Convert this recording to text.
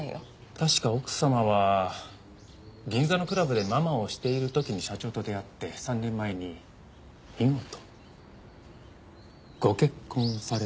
確か奥様は銀座のクラブでママをしている時に社長と出会って３年前に見事ご結婚されたんですよね？